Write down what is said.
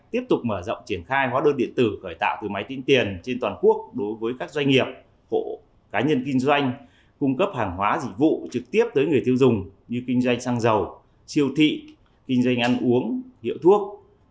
tiếp tục mở rộng triển khai hóa đơn điện tử khởi tạo từ máy tính tiền trên toàn quốc đối với các doanh nghiệp hộ cá nhân kinh doanh cung cấp hàng hóa dịch vụ trực tiếp tới người tiêu dùng như kinh doanh xăng dầu siêu thị kinh doanh ăn uống hiệu thuốc